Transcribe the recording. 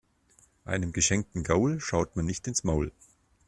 Einem geschenkten Gaul schaut man nicht ins Maul.